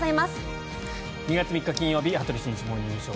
２月３日、金曜日「羽鳥慎一モーニングショー」。